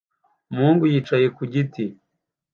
Umuhungu yicaye ku giti